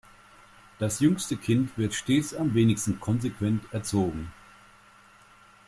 Das jüngste Kind wird stets am wenigsten konsequent erzogen.